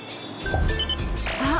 あっ！